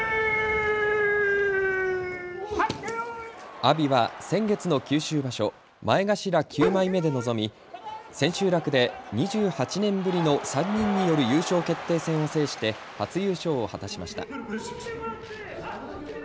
阿炎は先月の九州場所、前頭９枚目で臨み千秋楽で２８年ぶりの３人による優勝決定戦を制して初優勝を果たしました。